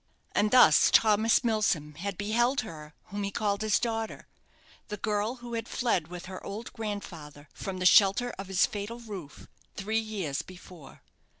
And thus Thomas Milsom had beheld her whom he called his daughter, the girl who had fled, with her old grandfather, from the shelter of his fatal roof three years before.